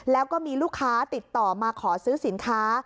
แล้วก็มีลูกค้าติดต่อมาขอซื้อสินค้า